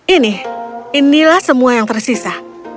ini inilah semua yang tersisa